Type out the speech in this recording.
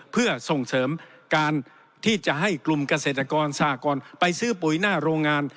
เพื่อส่งเสริมการที่จะให้กลุ่มเกษตรกรสหกรไปซื้อปุ๋ยหน้าโรงงาน